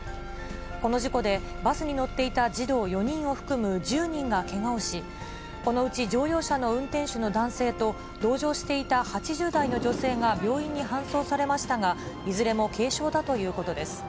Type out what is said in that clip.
この事故で、バスに乗っていた児童４人を含む１０人がけがをし、このうち乗用車の運転手の男性と、同乗していた８０代の女性が病院に搬送されましたが、いずれも軽傷だということです。